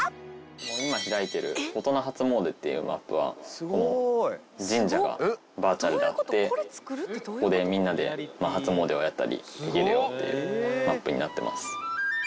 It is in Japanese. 今開いてるフォトナ初詣っていうマップは神社がバーチャルであってここでみんなで初詣をやったりできるよっていうマップになってます。